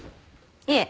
いえ。